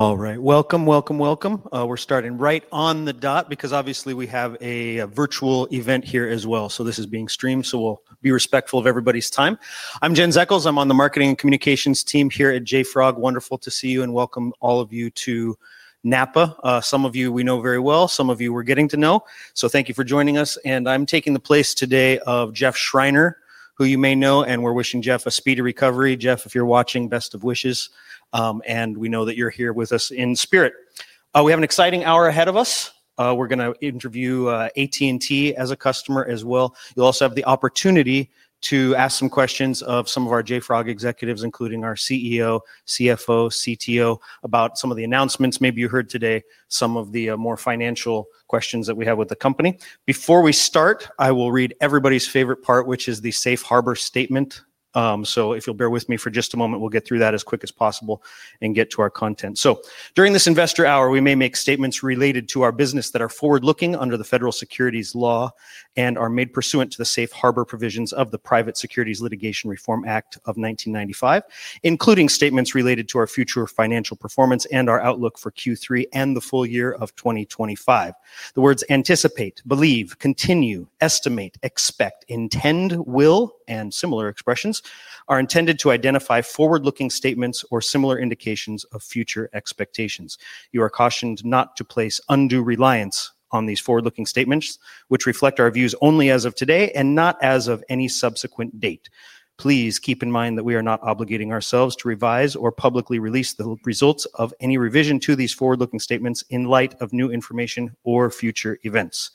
All right, welcome, welcome, welcome. We're starting right on the dot because obviously we have a virtual event here as well. This is being streamed, so we'll be respectful of everybody's time. I'm Jens Eckels. I'm on the marketing and communications team here at JFrog. Wonderful to see you and welcome all of you to Napa. Some of you we know very well, some of you we're getting to know. Thank you for joining us. I'm taking the place today of Jeff Schreiner, who you may know, and we're wishing Jeff a speedy recovery. Jeff, if you're watching, best of wishes. We know that you're here with us in spirit. We have an exciting hour ahead of us. We're going to interview AT&T as a customer as well. You'll also have the opportunity to ask some questions of some of our JFrog executives, including our CEO, CFO, CTO, about some of the announcements. Maybe you heard today some of the more financial questions that we have with the company. Before we start, I will read everybody's favorite part, which is the Safe Harbor statement. If you'll bear with me for just a moment, we'll get through that as quick as possible and get to our content. During this investor hour, we may make statements related to our business that are forward-looking under the Federal Securities Law and are made pursuant to the Safe Harbor provisions of the Private Securities Litigation Reform Act of 1995, including statements related to our future financial performance and our outlook for Q3 and the full year of 2025. The words anticipate, believe, continue, estimate, expect, intend, will, and similar expressions are intended to identify forward-looking statements or similar indications of future expectations. You are cautioned not to place undue reliance on these forward-looking statements, which reflect our views only as of today and not as of any subsequent date. Please keep in mind that we are not obligating ourselves to revise or publicly release the results of any revision to these forward-looking statements in light of new information or future events.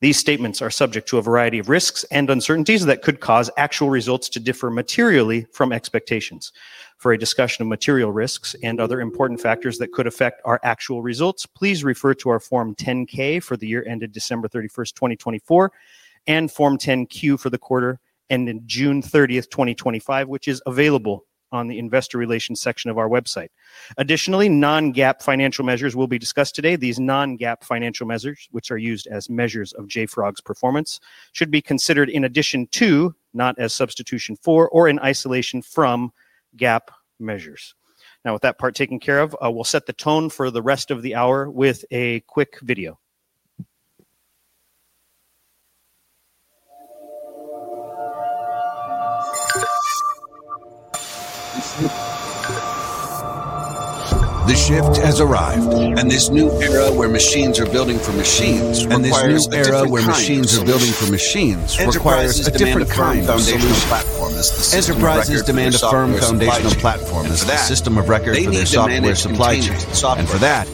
These statements are subject to a variety of risks and uncertainties that could cause actual results to differ materially from expectations. For a discussion of material risks and other important factors that could affect our actual results, please refer to our Form 10-K for the year ended December 31st, 2024, and Form 10-Q for the quarter ending June 30th, 2025, which is available on the Investor Relations section of our website. Additionally, non-GAAP financial measures will be discussed today. These non-GAAP financial measures, which are used as measures of JFrog's performance, should be considered in addition to, not as substitution for, or in isolation from GAAP measures. Now, with that part taken care of, we'll set the tone for the rest of the hour with a quick video. The shift has arrived, and this new era where machines are building for machines. This new era where machines are building for machines requires a different kind of foundational platform. Enterprises demand a firm foundational platform as a system of record for their software supply chain. For that,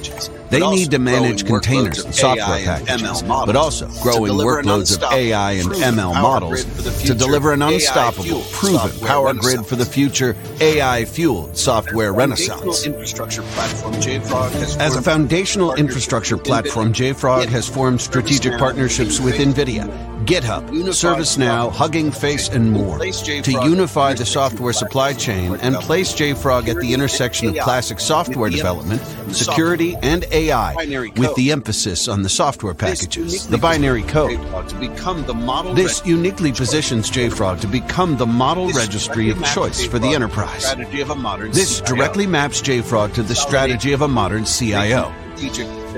they need to manage containers and software packs, but also growing workloads of AI and ML models to deliver an unstoppable, proven power grid for the future AI-fueled software renaissance. As a foundational infrastructure platform, JFrog has formed strategic partnerships with NVIDIA, GitHub, ServiceNow, Hugging Face, and more to unify the software supply chain and place JFrog at the intersection of classic software development, security, and AI, with the emphasis on the software packages, the binary code. This uniquely positions JFrog to become the model registry of choice for the enterprise. This directly maps JFrog to the strategy of a modern CIO: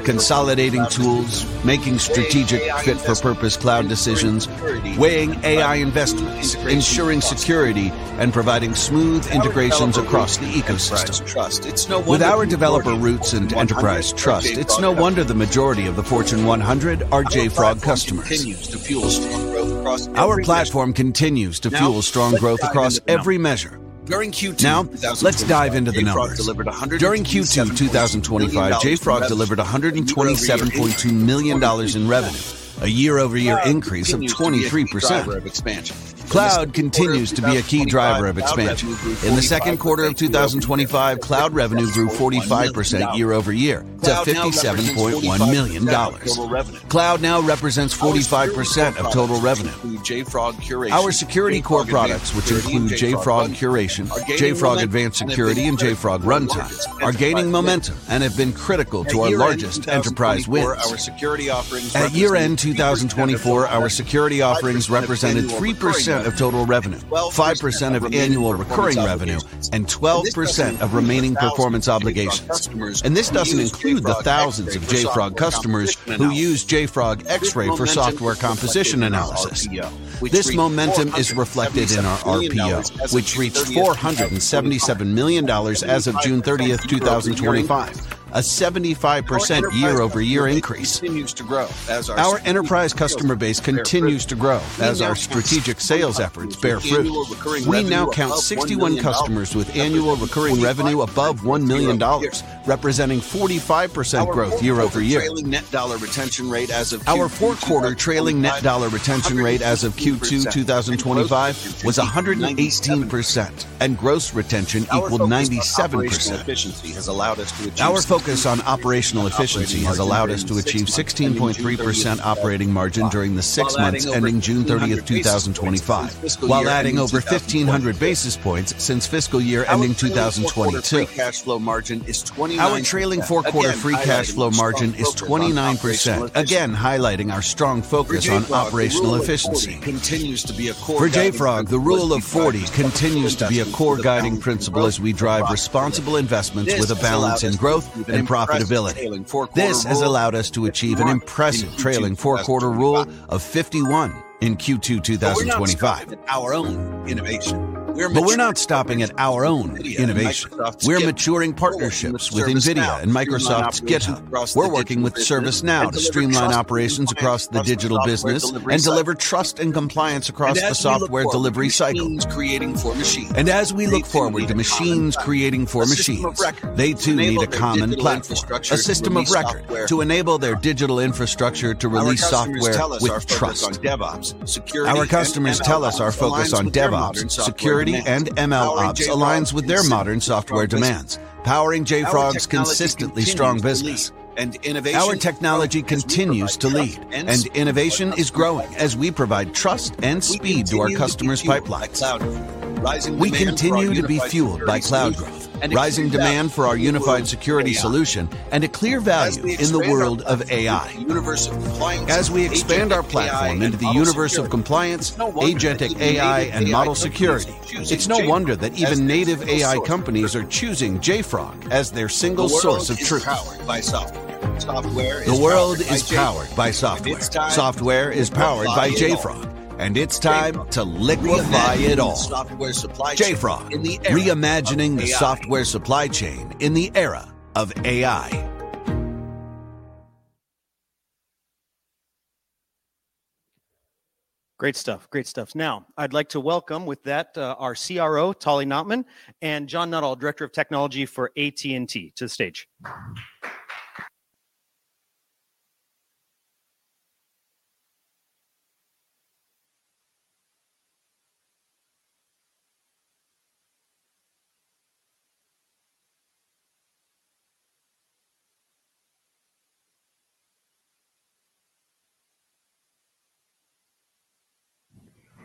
consolidating tools, making strategic fit-for-purpose cloud decisions, weighing AI investments, ensuring security, and providing smooth integrations across the ecosystem. With our developer roots and enterprise trust, it's no wonder the majority of the Fortune 100 are JFrog customers. Our platform continues to fuel strong growth across every measure. Now, let's dive into the numbers. During Q2 2025, JFrog delivered $127.2 million in revenue, a year-over-year increase of 23%. Cloud continues to be a key driver of expansion. In the second quarter of 2025, cloud revenue grew 45% year-over-year to $57.1 million. Cloud now represents 45% of total revenue. Our security core products, which include JFrog Curation, JFrog Advanced Security, and JFrog Runtime, are gaining momentum and have been critical to our largest enterprise win. At year-end 2024, our security offerings represented 3% of total revenue, 5% of annual recurring revenue, and 12% of remaining performance obligations. This does not include the thousands of JFrog customers who use JFrog Xray for software composition analysis. This momentum is reflected in our RPO, which reached $477 million as of June 30th, 2025, a 75% year-over-year increase. Our enterprise customer base continues to grow as our strategic sales efforts bear fruit. We now count 61 customers with annual recurring revenue above $1 million, representing 45% growth year-over-year. Our fourth quarter trailing net dollar retention rate as of Q2 2025 was 118%, and gross retention equaled 97%. Our focus on operational efficiency has allowed us to achieve 16.3% operating margin during the six months ending June 30th, 2025, while adding over 1,500 basis points since fiscal year ending 2022. Our trailing four-quarter free cash flow margin is 29%, again highlighting our strong focus on operational efficiency. For JFrog, the rule of 40 continues to be a core guiding principle as we drive responsible investments with a balance in growth and profitability. This has allowed us to achieve an impressive trailing four-quarter rule of 51 in Q2 2025. We are not stopping at our own innovation. We are maturing partnerships with NVIDIA and Microsoft GitHub. We are working with ServiceNow to streamline operations across the digital business and deliver trust and compliance across the software delivery cycles. As we look forward to machines creating for machines, they too need a common platform, a system of record, to enable their digital infrastructure to release software with trust. Our customers tell us our focus on DevOps, security, and MLOps aligns with their modern software demands, powering JFrog's consistently strong business. Our technology continues to lead, and innovation is growing as we provide trust and speed to our customers' pipelines. We continue to be fueled by cloud growth, rising demand for our unified security solution, and a clear value in the world of AI. As we expand our platform into the universe of compliance, agentic AI, and model security, it is no wonder that even native AI companies are choosing JFrog as their single source of truth. The world is powered by software. Software is powered by JFrog. It is time to liquefy it all. JFrog, reimagining the software supply chain in the era of AI. Great stuff, great stuff. Now, I'd like to welcome with that our CRO, Tali Notman, and John Nuttall, Director of Technology for AT&T, to the stage.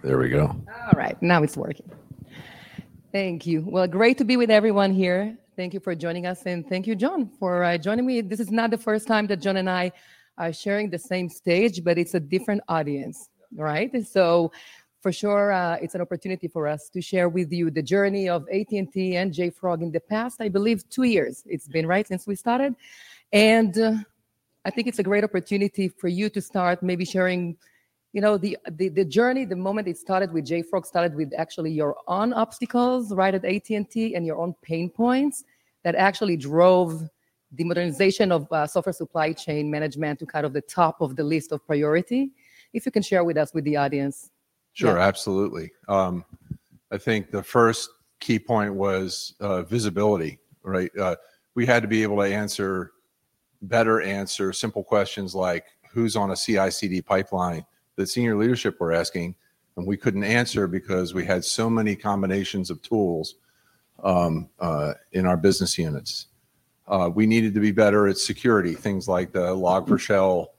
There we go. All right. Now it's working. Thank you. Great to be with everyone here. Thank you for joining us, and thank you, John, for joining me. This is not the first time that John and I are sharing the same stage, but it's a different audience, right? For sure, it's an opportunity for us to share with you the journey of AT&T and JFrog in the past, I believe, two years. It's been right since we started. I think it's a great opportunity for you to start maybe sharing, you know, the journey, the moment it started with JFrog, started with actually your own obstacles, right, at AT&T, and your own pain points that actually drove the modernization of software supply chain management to kind of the top of the list of priority. If you can share with us, with the audience. Sure, absolutely. I think the first key point was visibility, right? We had to be able to better answer simple questions like, who's on a CI/CD pipeline? The senior leadership were asking, and we couldn't answer because we had so many combinations of tools in our business units. We needed to be better at security. Things like the log for shell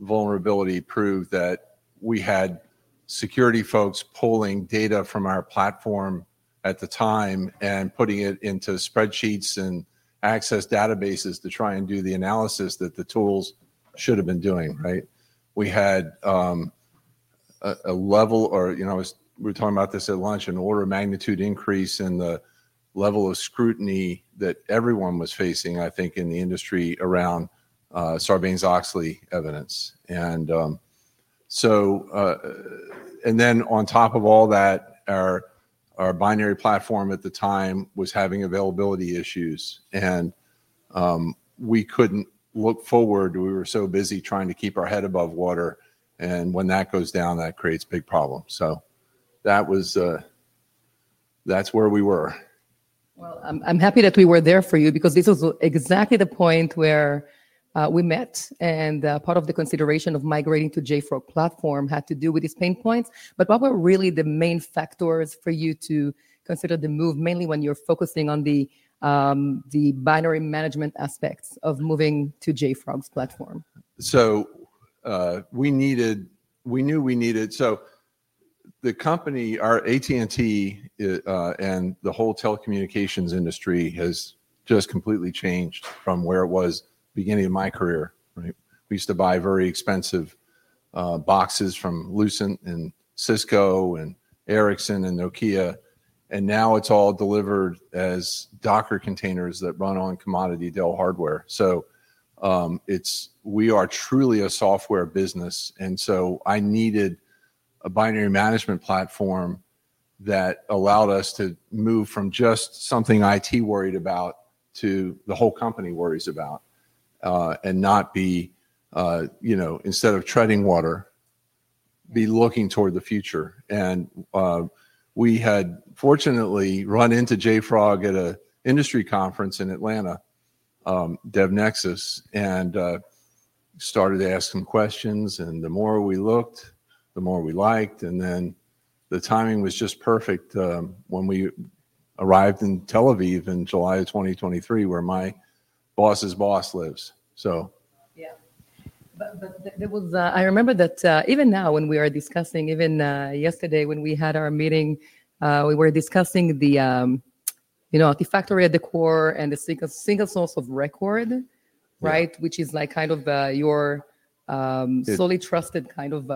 vulnerability proved that we had security folks pulling data from our platform at the time and putting it into spreadsheets and access databases to try and do the analysis that the tools should have been doing, right? We had a level, or you know, we were talking about this at lunch, an order of magnitude increase in the level of scrutiny that everyone was facing, I think, in the industry around Sarbanes-Oxley evidence. On top of all that, our binary platform at the time was having availability issues, and we couldn't look forward. We were so busy trying to keep our head above water, and when that goes down, that creates big problems. That was, that's where we were. I'm happy that we were there for you because this was exactly the point where we met, and part of the consideration of migrating to the JFrog Platform had to do with these pain points. What were really the main factors for you to consider the move, mainly when you're focusing on the binary management aspects of moving to JFrog's platform? We knew we needed, the company, our AT&T and the whole telecommunications industry has just completely changed from where it was at the beginning of my career, right? We used to buy very expensive boxes from Lucent and Cisco and Ericsson and Nokia, and now it's all delivered as Docker containers that run on commodity Dell hardware. We are truly a software business, and I needed a binary management platform that allowed us to move from just something IT worried about to the whole company worries about and not be, you know, instead of treading water, be looking toward the future. We had fortunately run into JFrog at an industry conference in Atlanta, Devnexus, and started to ask some questions. The more we looked, the more we liked, and the timing was just perfect when we arrived in Tel Aviv in July of 2023, where my boss's boss lives. Yeah, I remember that even now when we are discussing, even yesterday when we had our meeting, we were discussing the factory at the core and the single source of record, right? Which is like kind of your solid, trusted, kind of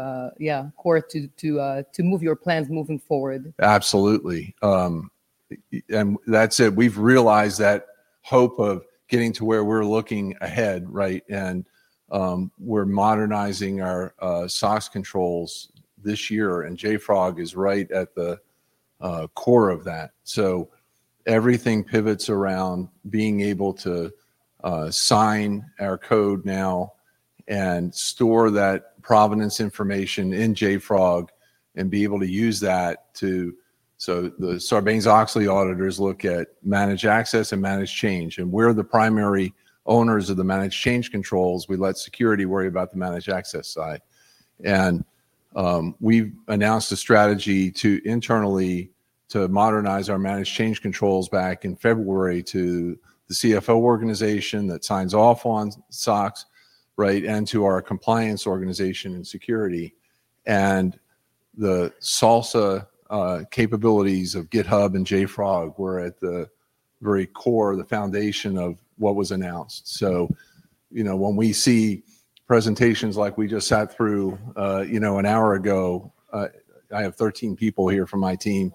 core to move your plans moving forward. Absolutely. That's it. We've realized that hope of getting to where we're looking ahead, right? We're modernizing our SaaS controls this year, and JFrog is right at the core of that. Everything pivots around being able to sign our code now and store that provenance information in JFrog and be able to use that so the Sarbanes-Oxley auditors look at managed access and managed change, and we're the primary owners of the managed change controls. We let security worry about the managed access side. We've announced a strategy internally to modernize our managed change controls back in February to the CFO organization that signs off on SOCs, right? And to our compliance organization and security. The salsa capabilities of GitHub and JFrog were at the very core, the foundation of what was announced. When we see presentations like we just sat through an hour ago, I have 13 people here from my team,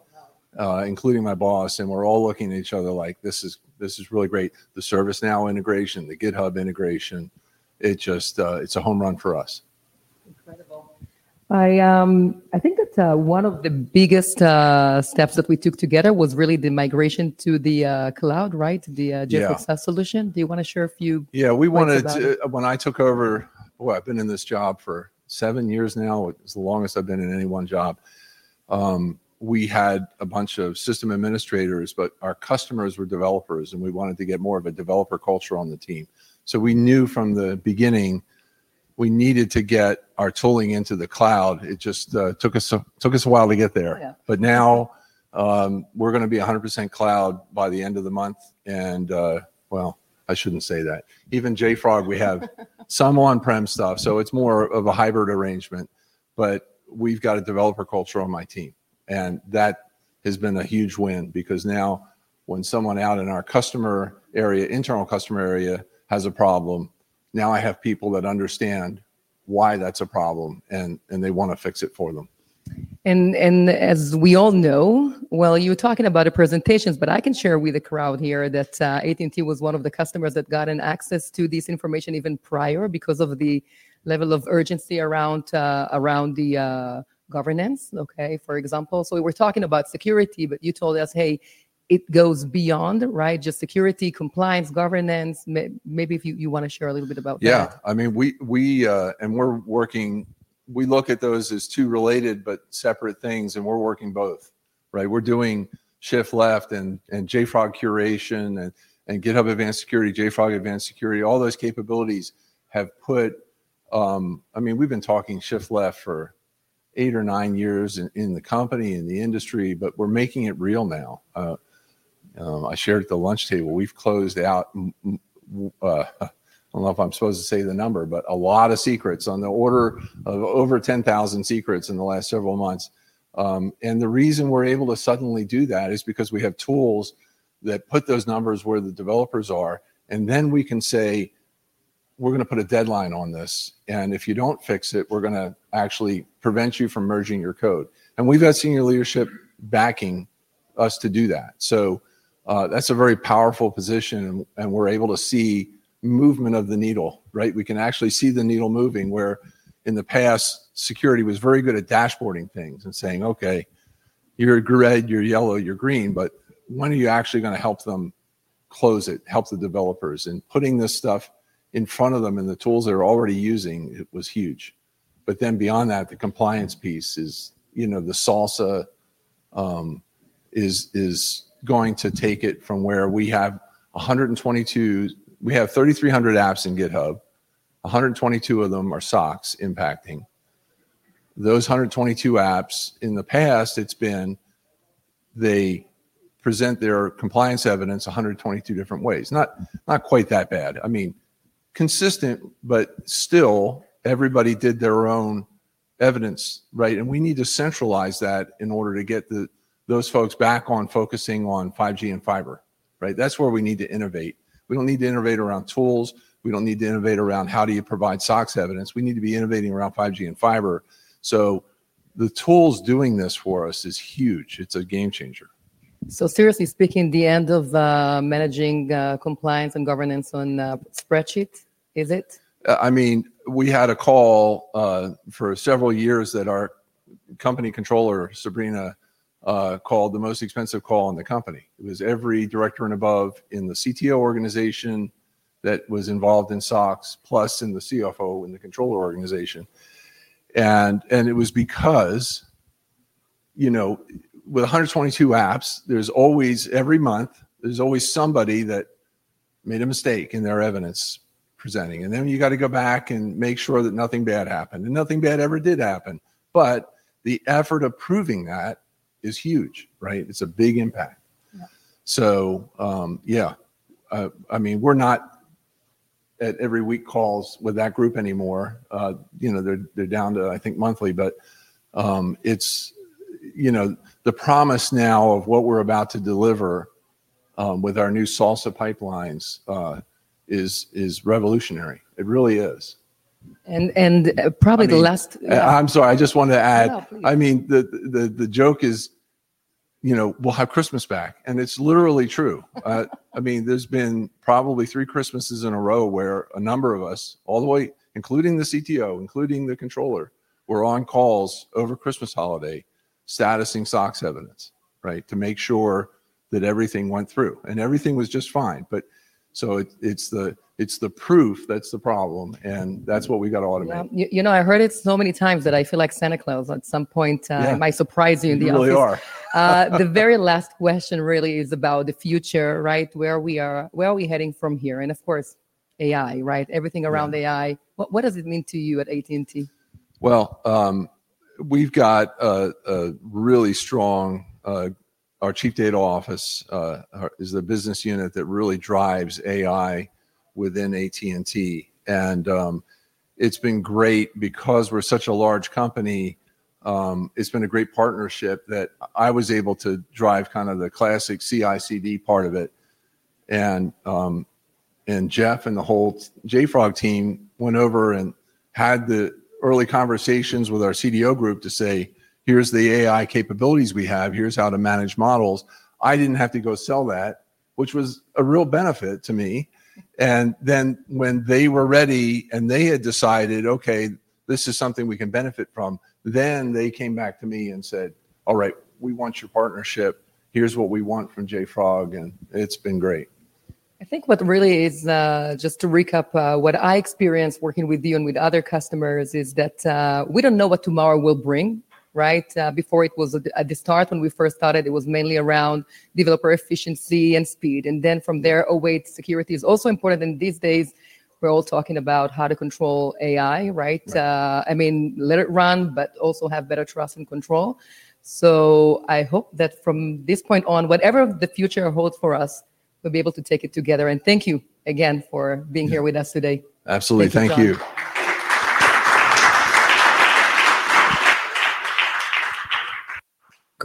including my boss, and we're all looking at each other like, this is really great. The ServiceNow integration, the GitHub integration, it just, it's a home run for us. I think that one of the biggest steps that we took together was really the migration to the cloud, right? The JFrog SaaS solution. Do you want to share a few? Yeah, we wanted to, when I took over, I've been in this job for seven years now, as long as I've been in any one job. We had a bunch of system administrators, but our customers were developers, and we wanted to get more of a developer culture on the team. We knew from the beginning we needed to get our tooling into the cloud. It just took us a while to get there. Now we're going to be 100% cloud by the end of the month. I shouldn't say that. Even JFrog, we have some on-prem stuff. It's more of a hybrid arrangement. We've got a developer culture on my team, and that has been a huge win because now when someone out in our customer area, internal customer area, has a problem, I have people that understand why that's a problem and they want to fix it for them. As we all know, you were talking about the presentations, but I can share with the crowd here that AT&T was one of the customers that got access to this information even prior because of the level of urgency around the governance, for example. We were talking about security, but you told us, hey, it goes beyond, right? Just security, compliance, governance. Maybe if you want to share a little bit about that. Yeah, I mean, we look at those as two related but separate things, and we're working both, right? We're doing shift left and JFrog Curation and GitHub Advanced Security, JFrog Advanced Security. All those capabilities have put, I mean, we've been talking shift left for eight or nine years in the company, in the industry, but we're making it real now. I shared at the lunch table, we've closed out, I don't know if I'm supposed to say the number, but a lot of secrets on the order of over 10,000 secrets in the last several months. The reason we're able to suddenly do that is because we have tools that put those numbers where the developers are, and then we can say, we're going to put a deadline on this, and if you don't fix it, we're going to actually prevent you from merging your code. We've got senior leadership backing us to do that. That's a very powerful position, and we're able to see movement of the needle, right? We can actually see the needle moving where in the past, security was very good at dashboarding things and saying, okay, you're a red, you're yellow, you're green, but when are you actually going to help them close it, help the developers? Putting this stuff in front of them and the tools they're already using was huge. Beyond that, the compliance piece is, you know, the salsa is going to take it from where we have 122, we have 3,300 apps in GitHub. 122 of them are SOCs impacting. Those 122 apps in the past, it's been they present their compliance evidence 122 different ways. Not quite that bad. I mean, consistent, but still everybody did their own evidence, right? We need to centralize that in order to get those folks back on focusing on 5G and fiber, right? That's where we need to innovate. We don't need to innovate around tools. We don't need to innovate around how do you provide SOCs evidence. We need to be innovating around 5G and fiber. The tools doing this for us is huge. It's a game changer. Seriously speaking, the end of managing compliance and governance on a spreadsheet, is it? I mean, we had a call for several years that our company controller, Sabrina, called the most expensive call in the company. It was every Director and above in the CTO organization that was involved in SOCs, plus in the CFO in the Controller organization. It was because, you know, with 122 apps, there's always, every month, somebody that made a mistake in their evidence presenting. You have to go back and make sure that nothing bad happened. Nothing bad ever did happen. The effort of proving that is huge, right? It's a big impact. We're not at every week calls with that group anymore. They're down to, I think, monthly. The promise now of what we're about to deliver with our new salsa pipelines is revolutionary. It really is. Probably the last. I'm sorry, I just wanted to add, I mean, the joke is, you know, we'll have Christmas back. It's literally true. There's been probably three Christmases in a row where a number of us, all the way, including the CTO, including the Controller, were on calls over Christmas holiday, statusing SOCs evidence, right, to make sure that everything went through. Everything was just fine. It's the proof that's the problem. That's what we got to automate. You know, I heard it so many times that I feel like Santa Claus at some point might surprise you in the office. You really are. The very last question really is about the future, right? Where we are, where are we heading from here? Of course, AI, right? Everything around AI, what does it mean to you at AT&T? Our Chief Data Office is the business unit that really drives AI within AT&T. It's been great because we're such a large company. It's been a great partnership that I was able to drive kind of the classic CI/CD part of it. Jeff and the whole JFrog team went over and had the early conversations with our CDO group to say, here's the AI capabilities we have. Here's how to manage models. I didn't have to go sell that, which was a real benefit to me. When they were ready and they had decided, okay, this is something we can benefit from, they came back to me and said, all right, we want your partnership. Here's what we want from JFrog. It's been great. I think what really is just to recap what I experienced working with you and with other customers is that we don't know what tomorrow will bring, right? Before, at the start, when we first started, it was mainly around developer efficiency and speed. From there, oh, wait, security is also important. These days, we're all talking about how to control AI, right? I mean, let it run, but also have better trust and control. I hope that from this point on, whatever the future holds for us, we'll be able to take it together. Thank you again for being here with us today. Absolutely. Thank you.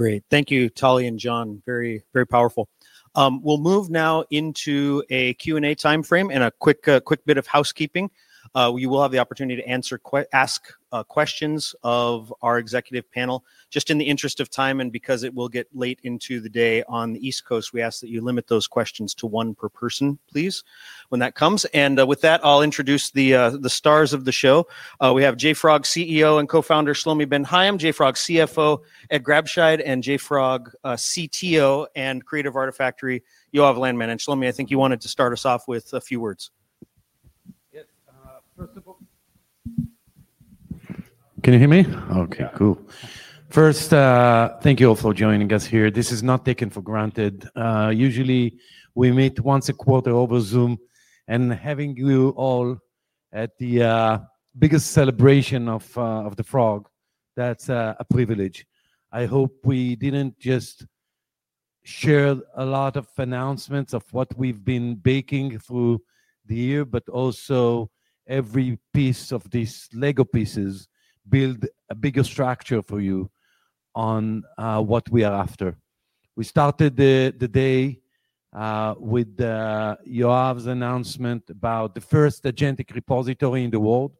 Great. Thank you, Tali and John. Very, very powerful. We'll move now into a Q&A timeframe and a quick bit of housekeeping. You will have the opportunity to ask questions of our executive panel. Just in the interest of time, and because it will get late into the day on the East Coast, we ask that you limit those questions to one per person, please, when that comes. With that, I'll introduce the stars of the show. We have JFrog CEO and Co-Founder Shlomi Ben Haim, JFrog CFO Ed Grabscheid, and JFrog CTO and Creator of Artifactory Yoav Landman. Shlomi, I think you wanted to start us off with a few words. Can you hear me? Okay, cool. First, thank you all for joining us here. This is not taken for granted. Usually, we meet once a quarter over Zoom, and having you all at the biggest celebration of the Frog, that's a privilege. I hope we didn't just share a lot of announcements of what we've been baking through the year, but also every piece of these LEGO pieces build a bigger structure for you on what we are after. We started the day with Yoav's announcement about the first agentic repository in the world,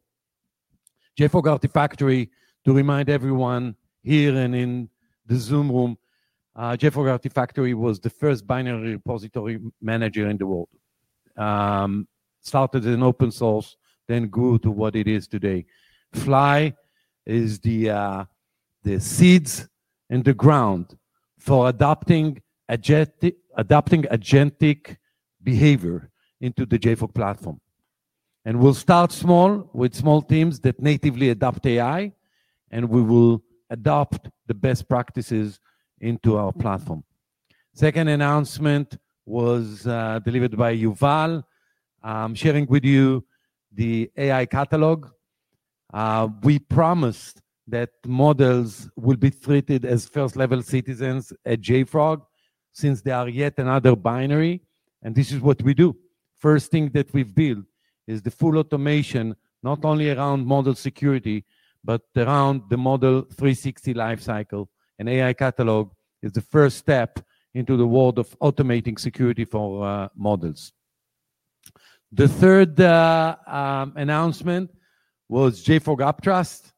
JFrog Artifactory. To remind everyone here and in the Zoom room, JFrog Artifactory was the first binary repository manager in the world. Started in open source, then grew to what it is today. Fly is the seeds and the ground for adapting agentic behavior into the JFrog Platform. We'll start small with small teams that natively adopt AI, and we will adopt the best practices into our platform. Second announcement was delivered by Yuval, sharing with you the AI Catalog. We promised that models will be treated as first-level citizens at JFrog since they are yet another binary. This is what we do. First thing that we've built is the full automation, not only around model security, but around the model 360 lifecycle. An AI Catalog is the first step into the world of automating security for models. The third announcement was JFrog Uptrust.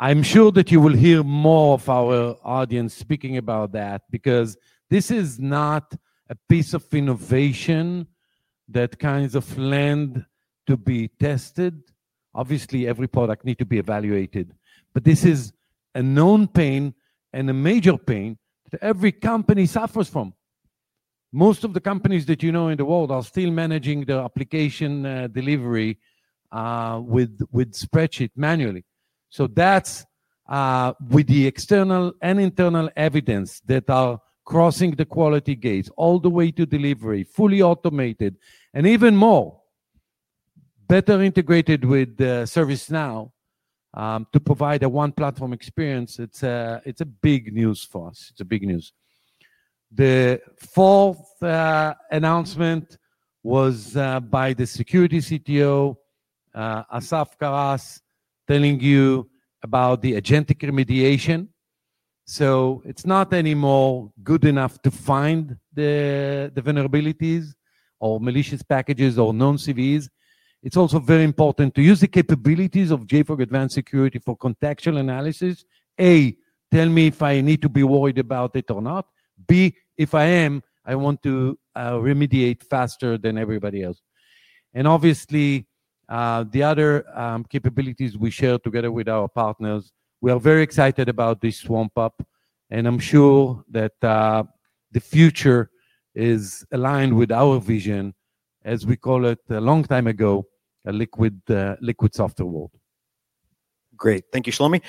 I'm sure that you will hear more of our audience speaking about that because this is not a piece of innovation that kinds of land to be tested. Obviously, every product needs to be evaluated. This is a known pain and a major pain that every company suffers from. Most of the companies that you know in the world are still managing their application delivery with spreadsheets manually. That's with the external and internal evidence that are crossing the quality gates all the way to delivery, fully automated, and even more, better integrated with ServiceNow to provide a one-platform experience. It's big news for us. It's big news. The fourth announcement was by the Security CTO, Asaf Karas, telling you about the agentic remediation. It's not anymore good enough to find the vulnerabilities or malicious packages or non-CVs. It's also very important to use the capabilities of JFrog Advanced Security for contextual analysis. A, tell me if I need to be worried about it or not. B, if I am, I want to remediate faster than everybody else. Obviously, the other capabilities we share together with our partners, we are very excited about this swamp up. I'm sure that the future is aligned with our vision, as we called it a long time ago, a liquid software world. Great. Thank you, Shlomi.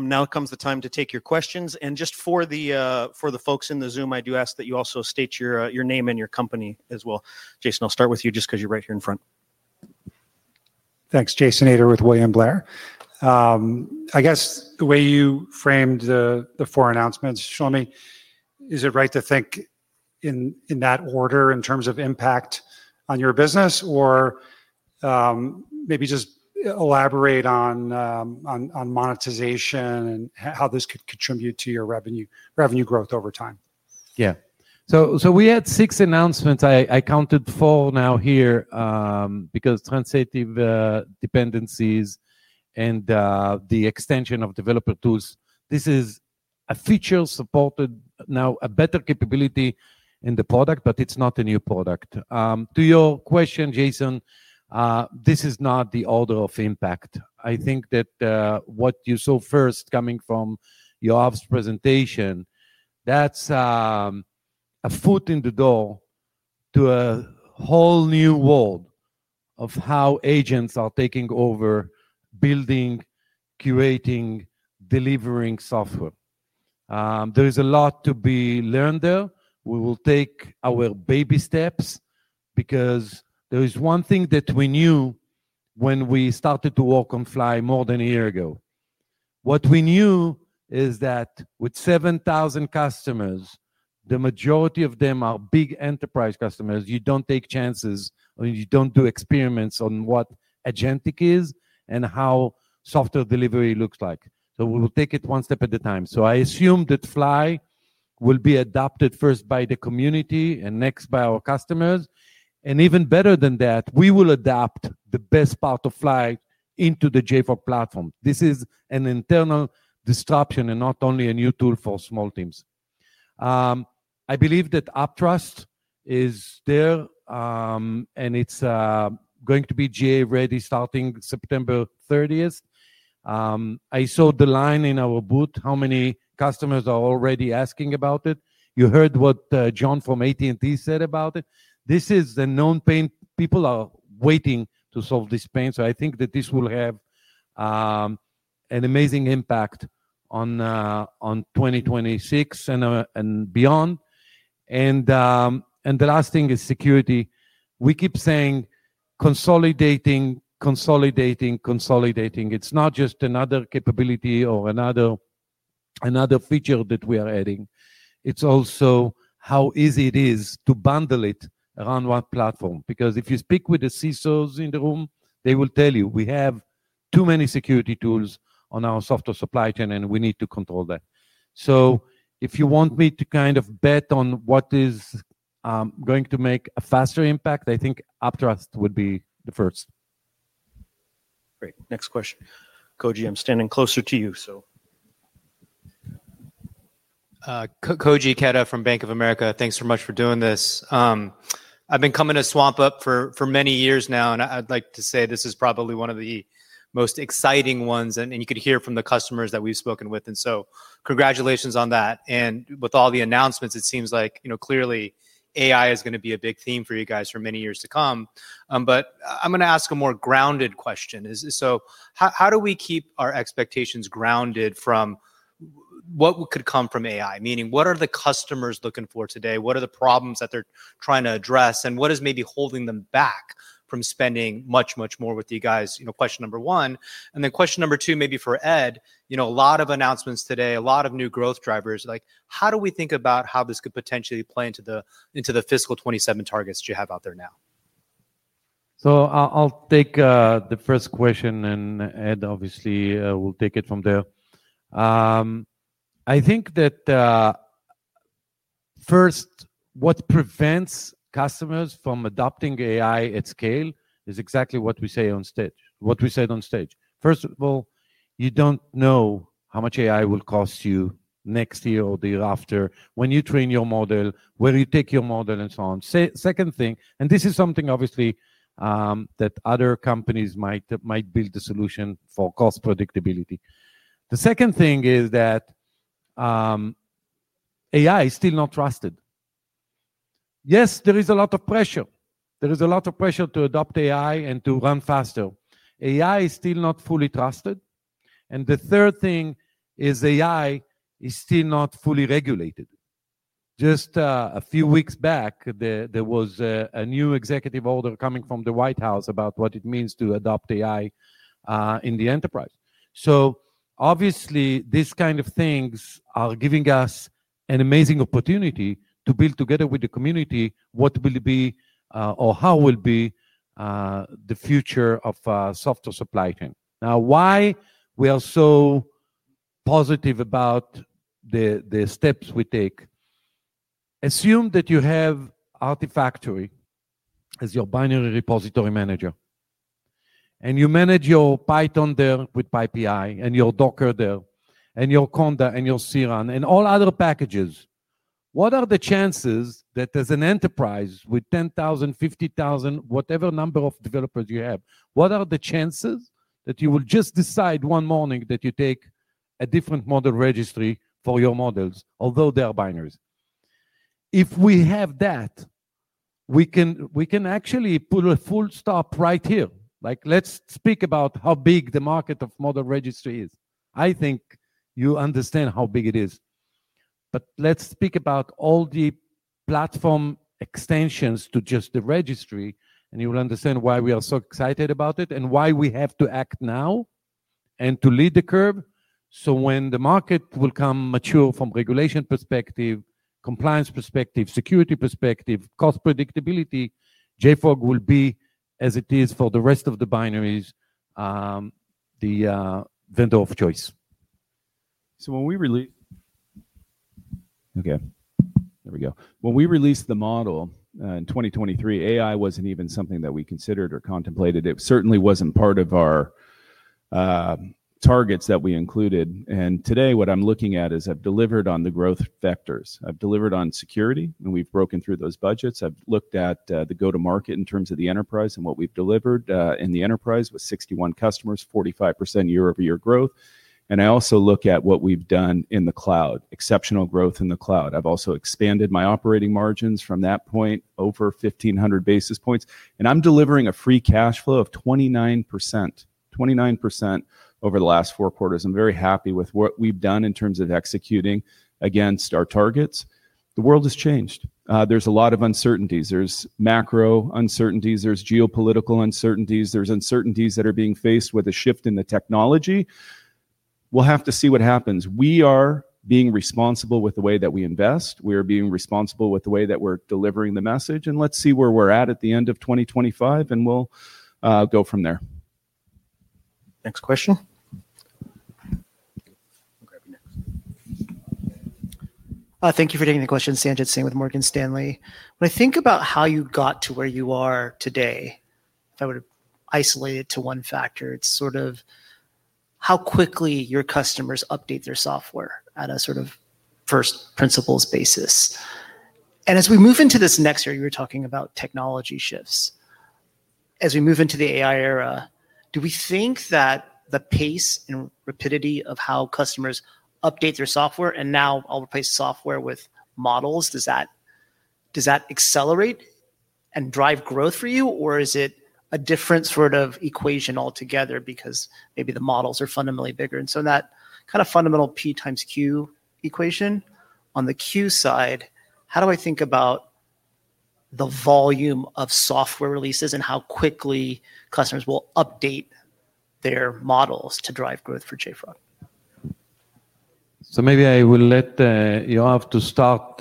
Now comes the time to take your questions. Just for the folks in the Zoom, I do ask that you also state your name and your company as well. Jason, I'll start with you just because you're right here in front. Thanks, Jason Ader with William Blair. I guess the way you framed the four announcements, Shlomi, is it right to think in that order in terms of impact on your business, or maybe just elaborate on monetization and how this could contribute to your revenue growth over time? Yeah. We had six announcements. I counted four now here because translative dependencies and the extension of developer tools. This is a feature supported now, a better capability in the product, but it's not a new product. To your question, Jason, this is not the order of impact. I think that what you saw first coming from Yoav's presentation, that's a foot in the door to a whole new world of how agents are taking over building, curating, delivering software. There is a lot to be learned there. We will take our baby steps because there is one thing that we knew when we started to walk on Fly more than a year ago. What we knew is that with 7,000 customers, the majority of them are big enterprise customers. You don't take chances or you don't do experiments on what agentic is and how software delivery looks like. We'll take it one step at a time. I assume that Fly will be adopted first by the community and next by our customers. Even better than that, we will adapt the best part of Fly into the JFrog Platform. This is an internal disruption and not only a new tool for small teams. I believe that Uptrust is there, and it's going to be GA ready starting September 30, 2026. I saw the line in our booth, how many customers are already asking about it. You heard what John from AT&T said about it. This is a known pain. People are waiting to solve this pain. I think that this will have an amazing impact on 2026 and beyond. The last thing is security. We keep saying consolidating, consolidating, consolidating. It's not just another capability or another feature that we are adding. It's also how easy it is to bundle it around one platform. If you speak with the CISOs in the room, they will tell you we have too many security tools on our software supply chain and we need to control that. If you want me to kind of bet on what is going to make a faster impact, I think Uptrust would be the first. Great. Next question. Koji, I'm standing closer to you, so. Koji Ikeda from Bank of America. Thanks so much for doing this. I've been coming to SwampUp for many years now, and I'd like to say this is probably one of the most exciting ones, and you could hear from the customers that we've spoken with. Congratulations on that. With all the announcements, it seems like, you know, clearly AI is going to be a big theme for you guys for many years to come. I'm going to ask a more grounded question. How do we keep our expectations grounded from what could come from AI? Meaning, what are the customers looking for today? What are the problems that they're trying to address? What is maybe holding them back from spending much, much more with you guys? Question number one. Question number two, maybe for Ed, you know, a lot of announcements today, a lot of new growth drivers. How do we think about how this could potentially play into the fiscal 2027 targets that you have out there now? I'll take the first question, and Ed obviously will take it from there. I think that first, what prevents customers from adopting AI at scale is exactly what we say on stage, what we said on stage. First of all, you don't know how much AI will cost you next year or the year after, when you train your model, where you take your model, and so on. Second thing, and this is something obviously that other companies might build a solution for cost predictability. The second thing is that AI is still not trusted. Yes, there is a lot of pressure. There is a lot of pressure to adopt AI and to run faster. AI is still not fully trusted. The third thing is AI is still not fully regulated. Just a few weeks back, there was a new executive order coming from the White House about what it means to adopt AI in the enterprise. Obviously, these kinds of things are giving us an amazing opportunity to build together with the community what will be or how will be the future of software supply chain. Now, why we are so positive about the steps we take, assume that you have JFrog Artifactory as your binary repository manager, and you manage your Python there with PyPI and your Docker there, and your Conda and your CRUN and all other packages. What are the chances that as an enterprise with 10,000, 50,000, whatever number of developers you have, what are the chances that you will just decide one morning that you take a different model registry for your models, although they are binaries? If we have that, we can actually put a full stop right here. Let's speak about how big the market of model registry is. I think you understand how big it is. Let's speak about all the platform extensions to just the registry, and you will understand why we are so excited about it and why we have to act now and to lead the curve. When the market will come mature from a regulation perspective, compliance perspective, security perspective, cost predictability, JFrog will be, as it is for the rest of the binaries, the vendor of choice. When we released the model in 2023, AI wasn't even something that we considered or contemplated. It certainly wasn't part of our targets that we included. Today, what I'm looking at is I've delivered on the growth factors. I've delivered on security, and we've broken through those budgets. I've looked at the go-to-market in terms of the enterprise and what we've delivered in the enterprise with 61 customers, 45% year-over-year growth. I also look at what we've done in the cloud, exceptional growth in the cloud. I've also expanded my operating margins from that point over 1,500 basis points. I'm delivering a free cash flow of 29%, 29% over the last four quarters. I'm very happy with what we've done in terms of executing against our targets. The world has changed. There's a lot of uncertainties. There's macro uncertainties. There's geopolitical uncertainties. There are uncertainties that are being faced with a shift in the technology. We'll have to see what happens. We are being responsible with the way that we invest. We are being responsible with the way that we're delivering the message. Let's see where we're at at the end of 2025, and we'll go from there. Next question. Thank you for taking the question, Sanjit Singh with Morgan Stanley. When I think about how you got to where you are today, I would isolate it to one factor. It's sort of how quickly your customers update their software at a sort of first principles basis. As we move into this next area, you were talking about technology shifts. As we move into the AI era, do we think that the pace and rapidity of how customers update their software, and now I'll replace software with models, does that accelerate and drive growth for you, or is it a different sort of equation altogether because maybe the models are fundamentally bigger? In that kind of fundamental P times Q equation, on the Q side, how do I think about the volume of software releases and how quickly customers will update their models to drive growth for JFrog? Maybe I will let Yoav start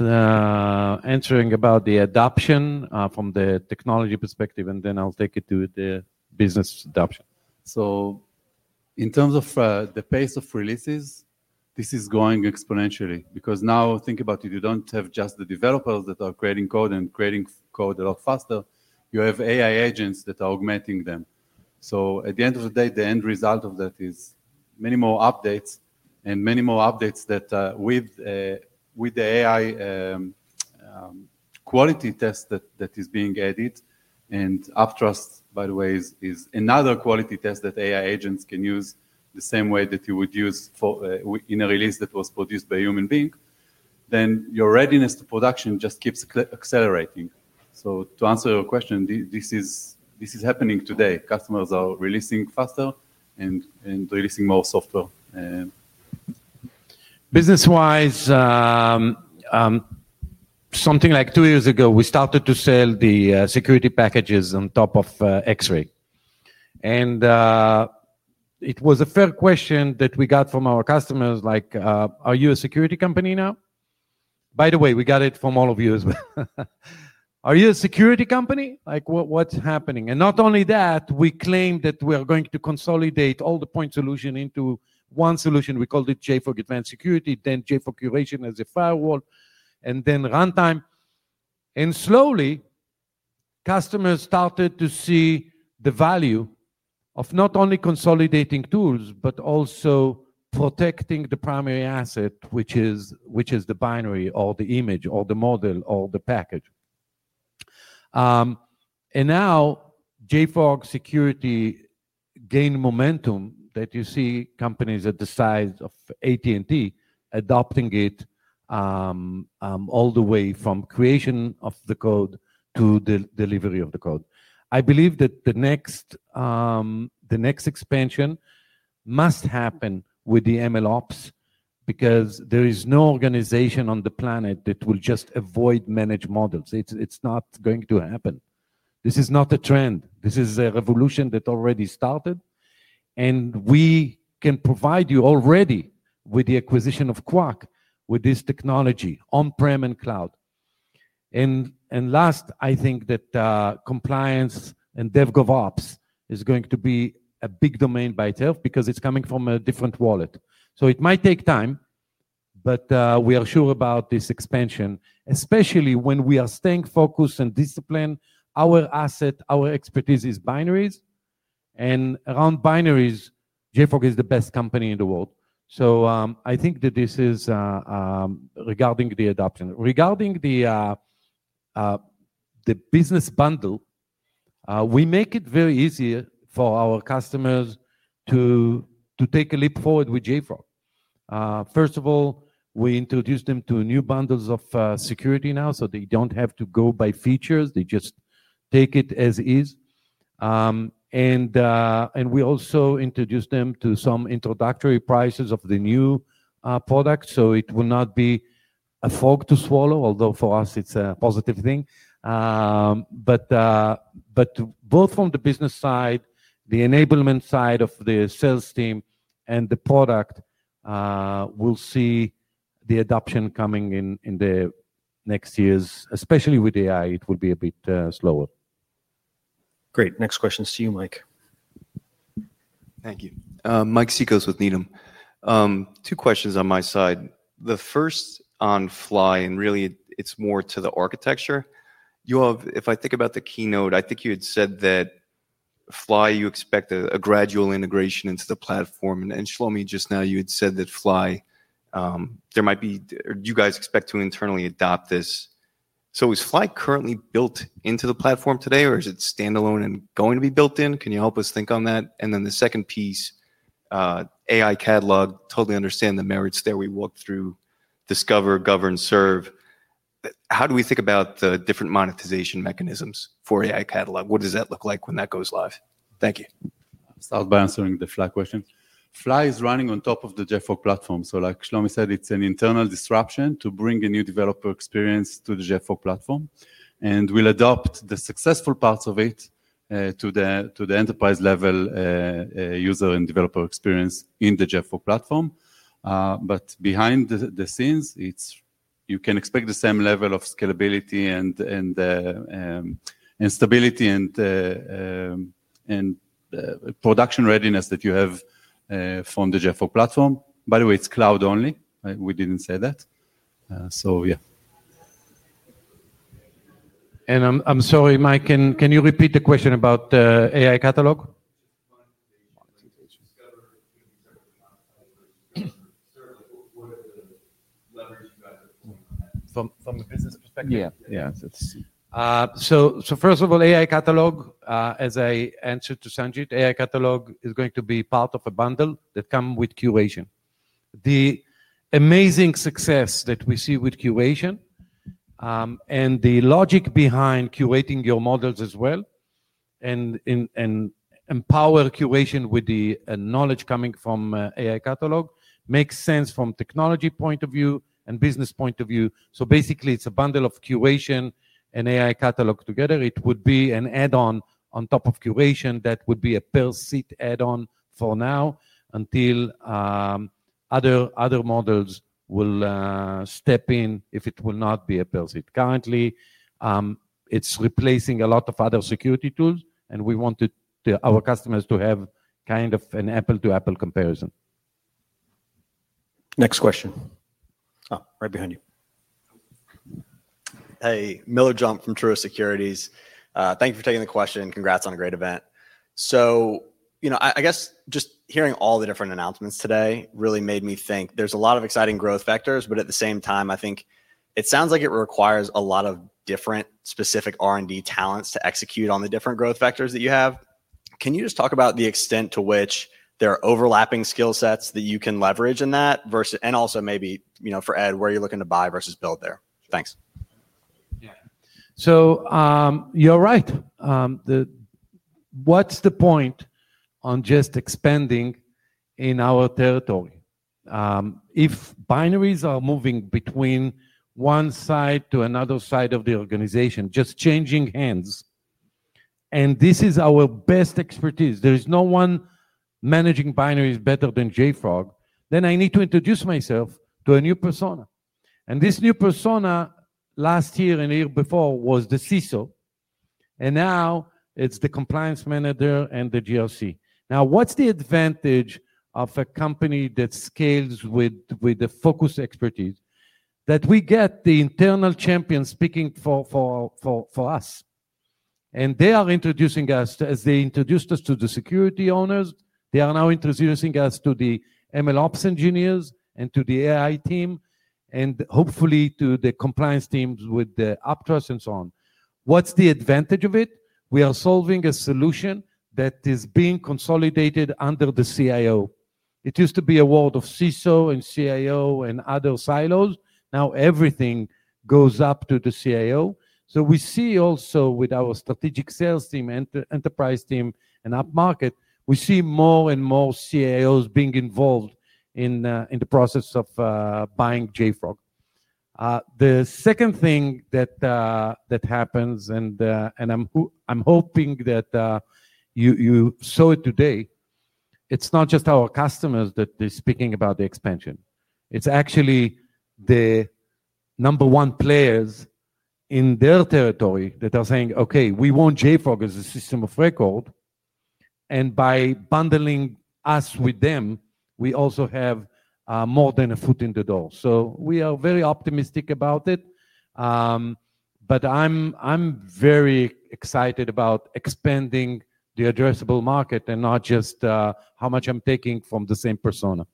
answering about the adoption from the technology perspective, and then I'll take it to the business adoption. In terms of the pace of releases, this is going exponentially because now think about it. You don't have just the developers that are creating code and creating code a lot faster. You have AI agents that are augmenting them. At the end of the day, the end result of that is many more updates and many more updates with the AI quality test that is being added. Uptrust, by the way, is another quality test that AI agents can use the same way that you would use in a release that was produced by a human being. Your readiness to production just keeps accelerating. To answer your question, this is happening today. Customers are releasing faster and releasing more software. Business-wise, something like two years ago, we started to sell the security packages on top of Xray. It was a fair question that we got from our customers, like, are you a security company now? By the way, we got it from all of you as well. Are you a security company? What's happening? Not only that, we claim that we are going to consolidate all the point solutions into one solution. We called it JFrog Advanced Security, then JFrog Curation as a firewall, and then runtime. Slowly, customers started to see the value of not only consolidating tools, but also protecting the primary asset, which is the binary or the image or the model or the package. Now, JFrog Security gained momentum that you see companies at the size of AT&T adopting it all the way from creation of the code to the delivery of the code. I believe that the next expansion must happen with the MLOps because there is no organization on the planet that will just avoid managed models. It's not going to happen. This is not a trend. This is a revolution that already started. We can provide you already with the acquisition of Qwak with this technology on-prem and cloud. Last, I think that compliance and DevGovOps is going to be a big domain by itself because it's coming from a different wallet. It might take time, but we are sure about this expansion, especially when we are staying focused and disciplined. Our asset, our expertise is binaries. Around binaries, JFrog is the best company in the world. I think that this is regarding the adoption. Regarding the business bundle, we make it very easy for our customers to take a leap forward with JFrog. First of all, we introduce them to new bundles of security now, so they don't have to go by features. They just take it as is. We also introduce them to some introductory prices of the new products. It will not be a fork to swallow, although for us, it's a positive thing. Both from the business side, the enablement side of the sales team, and the product, we'll see the adoption coming in the next years, especially with AI. It will be a bit slower. Great. Next question is to you, Mike. Thank you. Michael Cikos with Needham. Two questions on my side. The first on Fly, and really, it's more to the architecture. Yoav, if I think about the keynote, I think you had said that Fly, you expect a gradual integration into the platform. Shlomi, just now you had said that Fly, there might be, or you guys expect to internally adopt this. Is Fly currently built into the platform today, or is it standalone and going to be built in? Can you help us think on that? The second piece, AI Catalog, totally understand the merits there. We walked through discover, govern, serve. How do we think about the different monetization mechanisms for AI Catalog? What does that look like when that goes live? Thank you. I'll start by answering the Fly question. Fly is running on top of the JFrog Platform. Like Shlomi said, it's an internal disruption to bring a new developer experience to the JFrog Platform. We'll adopt the successful parts of it to the enterprise level user and developer experience in the JFrog Platform. Behind the scenes, you can expect the same level of scalability and stability and production readiness that you have from the JFrog Platform. By the way, it's cloud only. We didn't say that. I'm sorry, Mike, can you repeat the question about the AI Catalog? From a business perspective? Let's see. First of all, AI Catalog, as I answered to Sanjit, AI Catalog is going to be part of a bundle that comes with Curation. The amazing success that we see with Curation and the logic behind curating your models as well, and empower Curation with the knowledge coming from AI Catalog makes sense from a technology point of view and a business point of view. Basically, it's a bundle of Curation and AI Catalog together. It would be an add-on on top of Curation that would be a per-seat add-on for now until other models will step in if it will not be a per-seat. Currently, it's replacing a lot of other security tools, and we want our customers to have kind of an apple-to-apple comparison. Next question. Right behind you. Hey, Miller Jump from Truist Securities. Thank you for taking the question. Congrats on a great event. I guess just hearing all the different announcements today really made me think there's a lot of exciting growth vectors, but at the same time, I think it sounds like it requires a lot of different specific R&D talents to execute on the different growth vectors that you have. Can you just talk about the extent to which there are overlapping skill sets that you can leverage in that versus, and also maybe, you know, for Ed, where you're looking to buy versus build there? Thanks. Yeah. You're right. What's the point on just expanding in our territory? If binaries are moving between one side to another side of the organization, just changing hands, and this is our best expertise, there is no one managing binaries better than JFrog, then I need to introduce myself to a new persona. This new persona last year and the year before was the CISO, and now it's the compliance manager and the GRC. What's the advantage of a company that scales with the focused expertise that we get the internal champions speaking for us? They are introducing us, as they introduced us to the security owners, they are now introducing us to the MLOps engineers and to the AI team, and hopefully to the compliance teams with the Uptrust and so on. What's the advantage of it? We are solving a solution that is being consolidated under the CIO. It used to be a world of CISO and CIO and other silos. Now everything goes up to the CIO. We see also with our strategic sales team, enterprise team, and upmarket, we see more and more CIOs being involved in the process of buying JFrog. The second thing that happens, and I'm hoping that you saw it today, it's not just our customers that are speaking about the expansion. It's actually the number one players in their territory that are saying, okay, we want JFrog as a system of record. By bundling us with them, we also have more than a foot in the door. We are very optimistic about it. I'm very excited about expanding the addressable market and not just how much I'm taking from the same persona.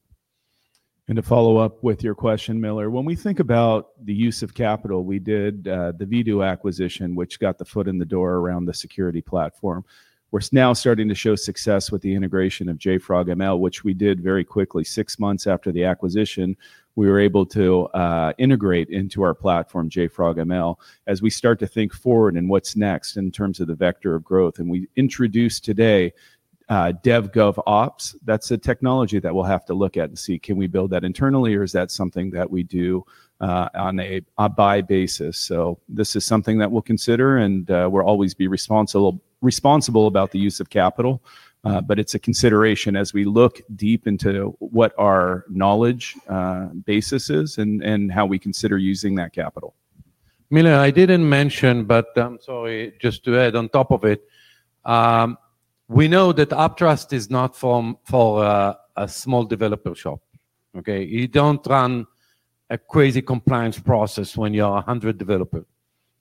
To follow up with your question, Miller, when we think about the use of capital, we did the V2 acquisition, which got the foot in the door around the security platform. We're now starting to show success with the integration of JFrog ML, which we did very quickly. Six months after the acquisition, we were able to integrate into our platform JFrog ML. As we start to think forward and what's next in terms of the vector of growth, we introduced today DevGovOps. That's a technology that we'll have to look at and see, can we build that internally or is that something that we do on a buy basis? This is something that we'll consider and we'll always be responsible about the use of capital. It's a consideration as we look deep into what our knowledge basis is and how we consider using that capital. I mean, I didn't mention, but I'm sorry, just to add on top of it, we know that Uptrust is not for a small developer shop. You don't run a crazy compliance process when you're 100 developers.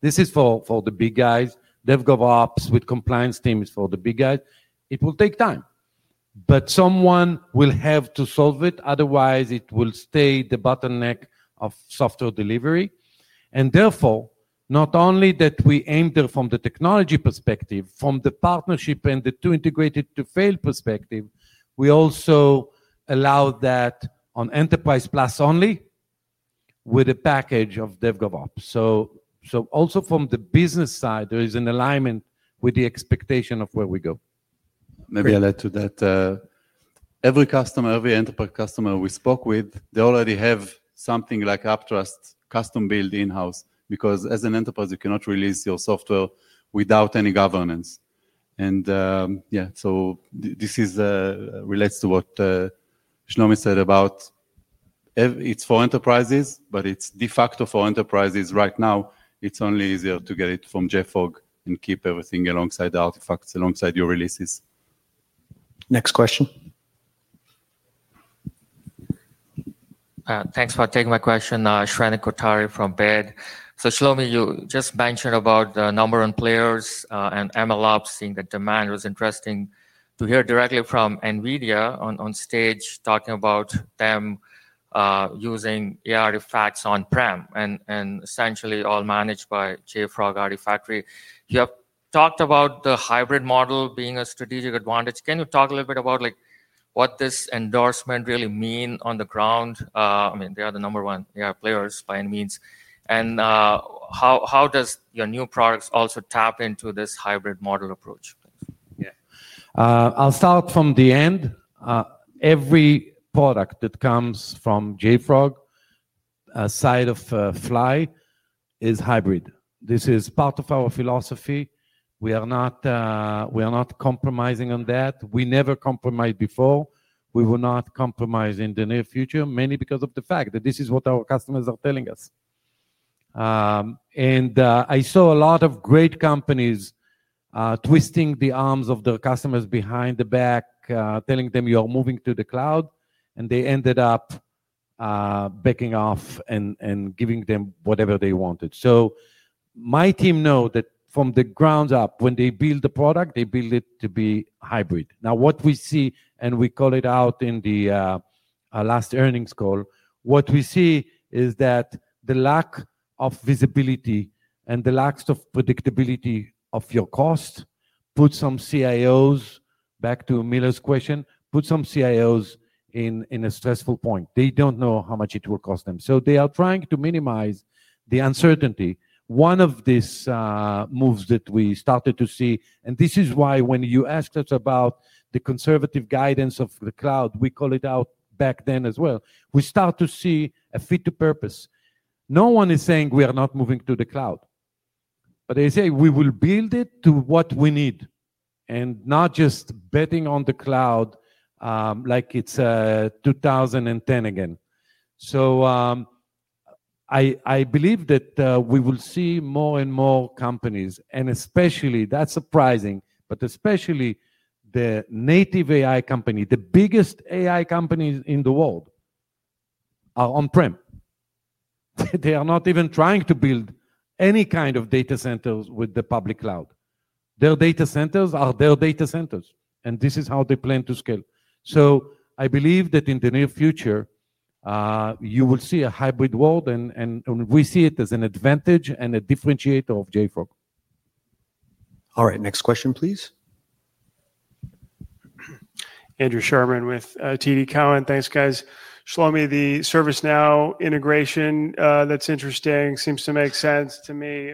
This is for the big guys. DevGovOps with compliance teams for the big guys. It will take time. Someone will have to solve it. Otherwise, it will stay the bottleneck of software delivery. Therefore, not only that we aim there from the technology perspective, from the partnership and the too integrated to fail perspective, we also allow that on Enterprise Plus only with a package of DevGovOps. Also from the business side, there is an alignment with the expectation of where we go. Maybe I'll add to that. Every customer, every enterprise customer we spoke with, they already have something like Uptrust custom built in-house because as an enterprise, you cannot release your software without any governance. Yeah, so this relates to what Shlomi said about it's for enterprises, but it's de facto for enterprises. Right now, it's only easier to get it from JFrog and keep everything alongside Artifacts, alongside your releases. Next question. Thanks for taking my question, Shrenik Kothari from Baird. Shlomi, you just mentioned about the number one players in MLOps seeing the demand. It was interesting to hear directly from NVIDIA on stage talking about them using the artifacts on-prem and essentially all managed by JFrog Artifactory. You have talked about the hybrid model being a strategic advantage. Can you talk a little bit about what this endorsement really means on the ground? I mean, they are the number one players by any means. How does your new products also tap into this hybrid model approach? Yeah. I'll start from the end. Every product that comes from JFrog, aside of Fly, is hybrid. This is part of our philosophy. We are not compromising on that. We never compromised before. We will not compromise in the near future, mainly because of the fact that this is what our customers are telling us. I saw a lot of great companies twisting the arms of their customers behind the back, telling them you are moving to the cloud, and they ended up backing off and giving them whatever they wanted. My team knows that from the ground up, when they build a product, they build it to be hybrid. Now what we see, and we call it out in the last earnings call, what we see is that the lack of visibility and the lack of predictability of your cost puts some CIOs, back to Miller's question, puts some CIOs in a stressful point. They don't know how much it will cost them. They are trying to minimize the uncertainty. One of these moves that we started to see, and this is why when you asked us about the conservative guidance of the cloud, we called it out back then as well, we start to see a fit to purpose. No one is saying we are not moving to the cloud. They say we will build it to what we need and not just betting on the cloud like it's 2010 again. I believe that we will see more and more companies, and especially, that's surprising, but especially the native AI company, the biggest AI companies in the world are on-prem. They are not even trying to build any kind of data centers with the public cloud. Their data centers are their data centers, and this is how they plan to scale. I believe that in the near future, you will see a hybrid world, and we see it as an advantage and a differentiator of JFrog. All right, next question, please. Andrew Sherman with TD Cohen. Thanks, guys. Shlomi, the ServiceNow integration, that's interesting. Seems to make sense to me.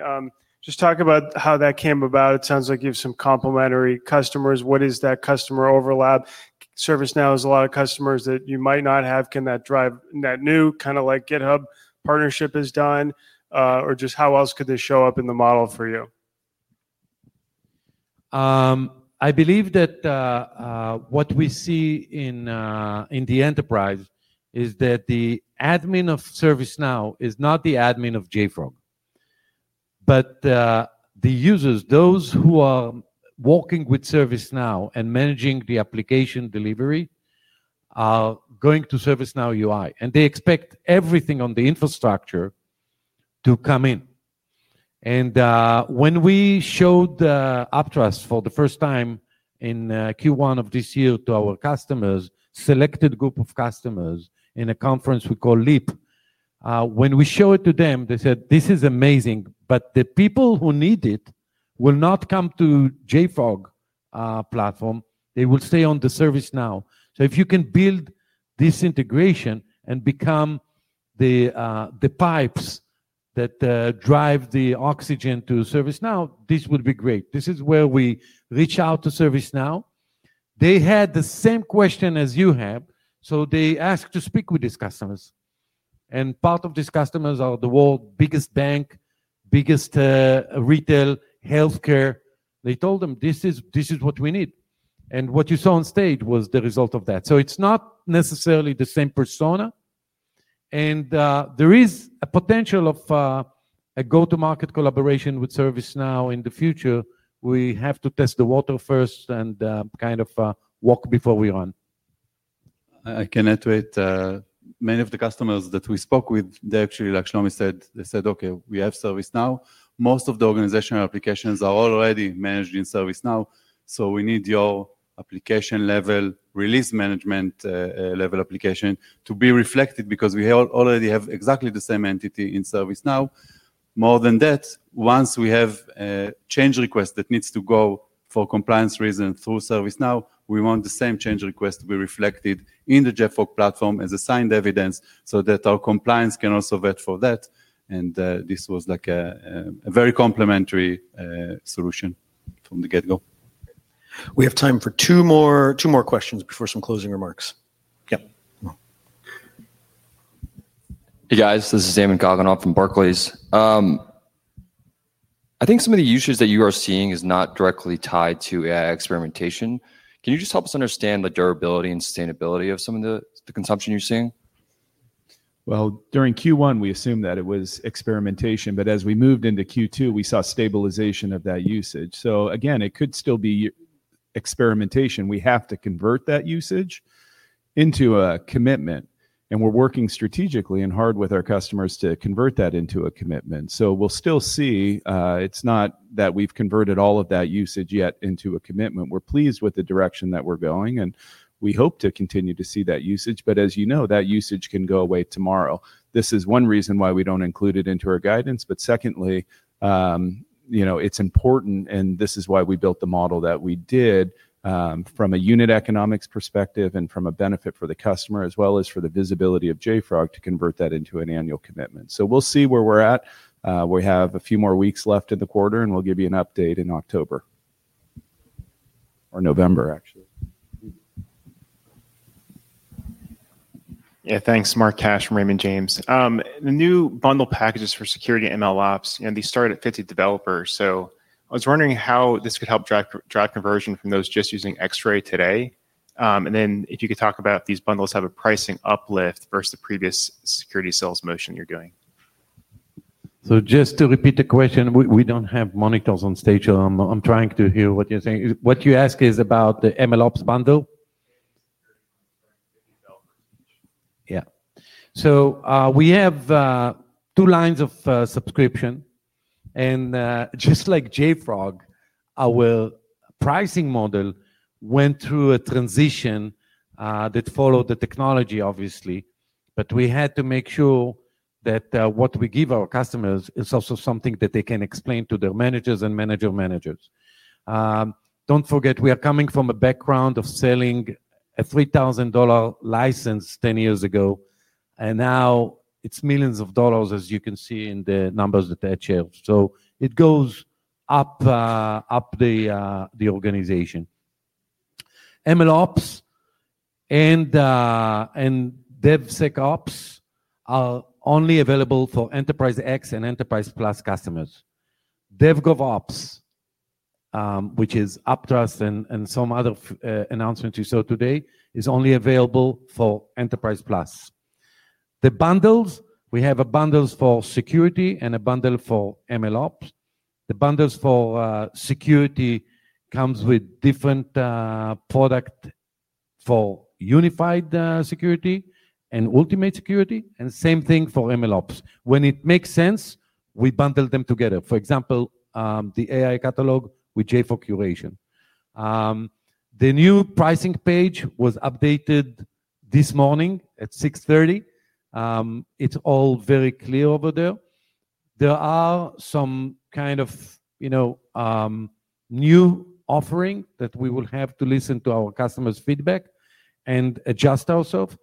Just talk about how that came about. It sounds like you have some complimentary customers. What is that customer overlap? ServiceNow has a lot of customers that you might not have. Can that drive that new kind of like GitHub partnership is done or just how else could this show up in the model for you? I believe that what we see in the enterprise is that the admin of ServiceNow is not the admin of JFrog. The users, those who are working with ServiceNow and managing the application delivery, are going to the ServiceNow UI, and they expect everything on the infrastructure to come in. When we showed Uptrust for the first time in Q1 of this year to our customers, a selected group of customers in a conference we call LEAP, when we showed it to them, they said, "This is amazing, but the people who need it will not come to JFrog Platform. They will stay on the ServiceNow." If you can build this integration and become the pipes that drive the oxygen to ServiceNow, this would be great. This is where we reach out to ServiceNow. They had the same question as you have. They asked to speak with these customers. Part of these customers are the world's biggest bank, biggest retail, healthcare. They told them, "This is what we need." What you saw on stage was the result of that. It is not necessarily the same persona. There is a potential of a go-to-market collaboration with ServiceNow in the future. We have to test the water first and kind of walk before we run. I can add to it. Many of the customers that we spoke with, they actually, like Shlomi said, they said, "Okay, we have ServiceNow. Most of the organizational applications are already managed in ServiceNow. We need your application level, release management level application to be reflected because we already have exactly the same entity in ServiceNow. More than that, once we have a change request that needs to go for compliance reasons through ServiceNow, we want the same change request to be reflected in the JFrog Platform as assigned evidence so that our compliance can also vet for that." This was a very complementary solution from the get-go. We have time for two more questions for some closing remarks. Hey guys, this is Damon Gavinov from Barclays. I think some of the issues that you are seeing are not directly tied to AI experimentation. Can you just help us understand the durability and sustainability of some of the consumption you're seeing? During Q1, we assumed that it was experimentation, but as we moved into Q2, we saw stabilization of that usage. It could still be experimentation. We have to convert that usage into a commitment, and we're working strategically and hard with our customers to convert that into a commitment. We'll still see, it's not that we've converted all of that usage yet into a commitment. We're pleased with the direction that we're going, and we hope to continue to see that usage. As you know, that usage can go away tomorrow. This is one reason why we don't include it into our guidance. Secondly, it's important, and this is why we built the model that we did from a unit economics perspective and from a benefit for the customer, as well as for the visibility of JFrog to convert that into an annual commitment. We'll see where we're at. We have a few more weeks left of the quarter, and we'll give you an update in October or November, actually. Yeah, thanks, Mark Cash from Raymond James. The new bundle packages for security MLOps, you know, these started at 50 developers. I was wondering how this could help drive conversion from those just using Xray today. If you could talk about these bundles, do they have a pricing uplift versus the previous security sales motion you're doing. Just to repeat the question, we don't have monitors on stage. I'm trying to hear what you're saying. What you ask is about the MLOps bundle? Yeah. We have two lines of subscription. Just like JFrog, our pricing model went through a transition that followed the technology, obviously. We had to make sure that what we give our customers is also something that they can explain to their managers and manager managers. Don't forget, we are coming from a background of selling a $3,000 license 10 years ago. Now it's millions of dollars, as you can see in the numbers that I cherished. It goes up the organization. MLOps and DevSecOps are only available for Enterprise X and Enterprise Plus customers. DevGovOps, which is Uptrust and some other announcements you saw today, is only available for Enterprise Plus. The bundles, we have a bundle for security and a bundle for MLOps. The bundles for security come with different products for unified security and ultimate security, and same thing for MLOps. When it makes sense, we bundle them together. For example, the AI Catalog with JFrog Curation. The new pricing page was updated this morning at 6:30 A.M. It's all very clear over there. There are some kind of new offerings that we will have to listen to our customers' feedback and adjust ourselves.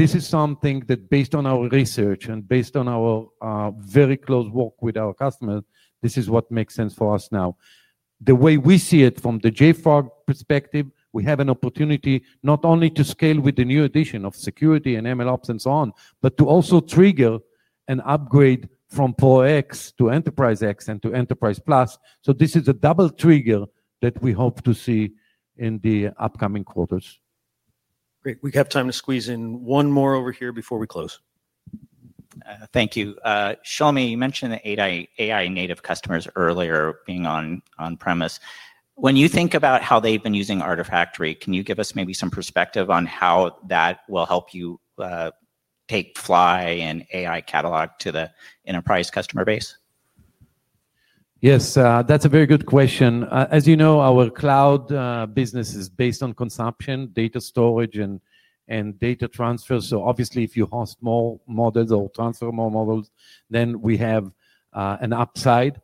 This is something that, based on our research and based on our very close work with our customers, this is what makes sense for us now. The way we see it from the JFrog perspective, we have an opportunity not only to scale with the new addition of security and MLOps and so on, but to also trigger an upgrade from Pro X to Enterprise X and to Enterprise Plus. This is a double trigger that we hope to see in the upcoming quarters. Great. We have time to squeeze in one more over here before we close. Thank you. Shlomi, you mentioned the AI native customers earlier being on-premise. When you think about how they've been using JFrog Artifactory, can you give us maybe some perspective on how that will help you take Fly and AI Catalog to the enterprise customer base? Yes, that's a very good question. As you know, our cloud business is based on consumption, data storage, and data transfer. Obviously, if you host more models or transfer more models, then we have an upside.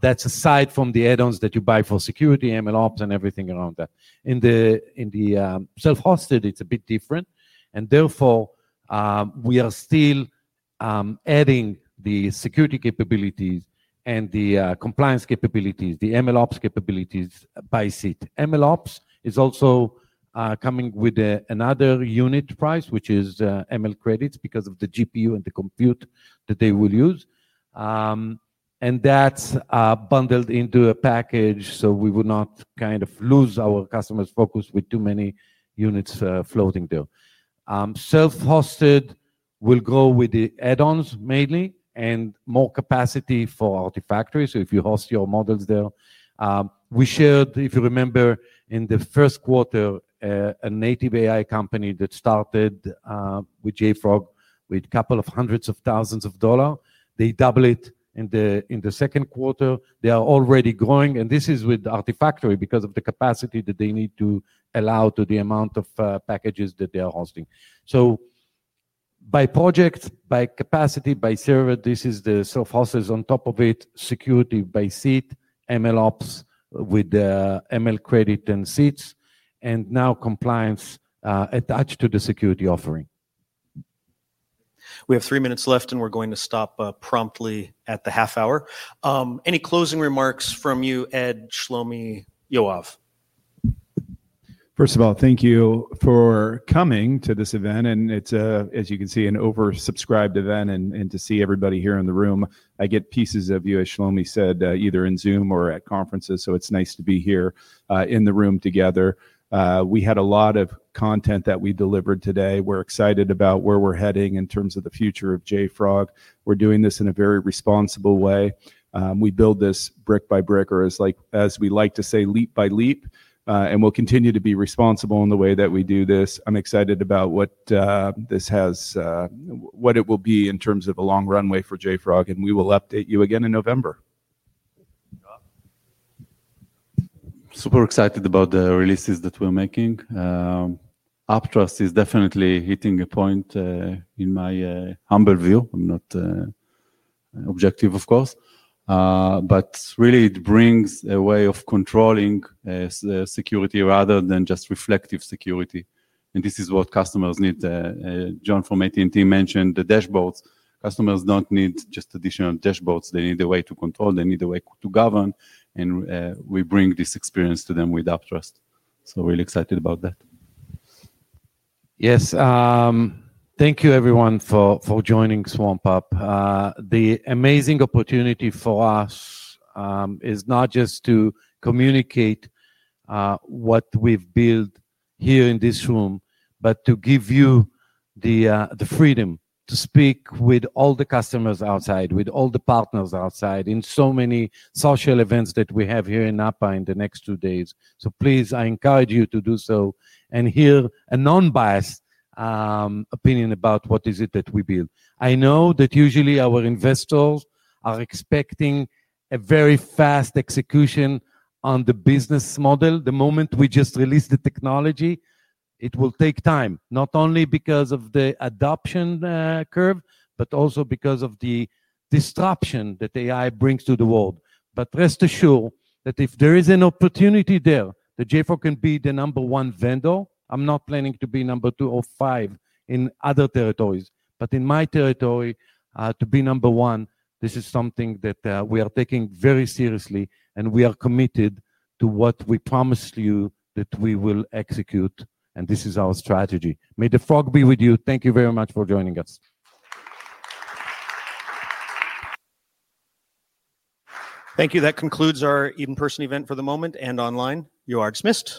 That's aside from the add-ons that you buy for security, MLOps, and everything around that. In the self-hosted, it's a bit different. Therefore, we are still adding the security capabilities and the compliance capabilities, the MLOps capabilities by seat. MLOps is also coming with another unit price, which is ML credits because of the GPU and the compute that they will use. That's bundled into a package so we would not kind of lose our customers' focus with too many units floating there. Self-hosted will go with the add-ons mainly and more capacity for JFrog Artifactory. If you host your models there, we shared, if you remember, in the first quarter, a native AI company that started with JFrog with a couple of hundreds of thousands of dollars. They doubled it in the second quarter. They are already growing. This is with JFrog Artifactory because of the capacity that they need to allow to the amount of packages that they are hosting. By project, by capacity, by server, this is the self-hosted on top of it, security by seat, MLOps with ML credit and seats, and now compliance attached to the security offering. We have three minutes left, and we're going to stop promptly at the half hour. Any closing remarks from you, Ed, Shlomi, Yoav? First of all, thank you for coming to this event. It's, as you can see, an oversubscribed event. To see everybody here in the room, I get pieces of you, as Shlomi said, either in Zoom or at conferences. It's nice to be here in the room together. We had a lot of content that we delivered today. We're excited about where we're heading in terms of the future of JFrog. We're doing this in a very responsible way. We build this brick-by-brick, or as we like to say, leap by leap. We'll continue to be responsible in the way that we do this. I'm excited about what this has, what it will be in terms of a long runway for JFrog. We will update you again in November. Super excited about the releases that we're making. Uptrust is definitely hitting a point in my humble view. I'm not objective, of course. It really brings a way of controlling security rather than just reflective security. This is what customers need. John from AT&T mentioned the dashboards. Customers don't need just additional dashboards. They need a way to control. They need a way to govern. We bring this experience to them with Uptrust. Really excited about that. Yes, thank you everyone for joining SwampUp. The amazing opportunity for us is not just to communicate what we've built here in this room, but to give you the freedom to speak with all the customers outside, with all the partners outside in so many social events that we have here in Napa in the next two days. I encourage you to do so and hear a non-biased opinion about what is it that we build. I know that usually our investors are expecting a very fast execution on the business model. The moment we just release the technology, it will take time, not only because of the adoption curve, but also because of the disruption that AI brings to the world. Rest assured that if there is an opportunity there, JFrog can be the number one vendor. I'm not planning to be number two or five in other territories, but in my territory, to be number one, this is something that we are taking very seriously and we are committed to what we promised you that we will execute. This is our strategy. May the Frog be with you. Thank you very much for joining us. Thank you. That concludes our in-person event for the moment and online. You are dismissed.